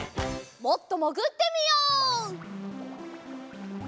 もっともぐってみよう。